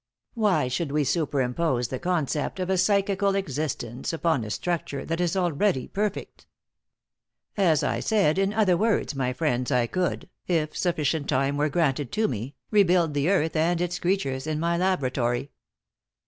Why should we superimpose the concept of a psychical existence upon a structure that is already perfect? As I said in other words, my friends, I could, if sufficient time were granted to me, rebuild the earth and its creatures in my laboratory."